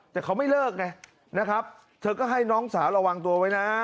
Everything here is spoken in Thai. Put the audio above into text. แต่เขาไม่เลิกไงนะครับเธอก็ให้น้องสาวระวังตัวไว้นะ